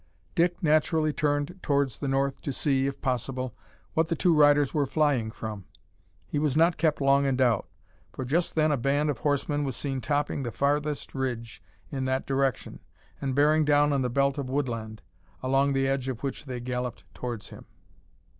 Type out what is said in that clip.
Dick naturally turned towards the north to see, if possible, what the two riders were flying from. He was not kept long in doubt, for just then a band of horsemen was seen topping the farthest ridge in that direction, and bearing down on the belt of woodland, along the edge of which they galloped towards him.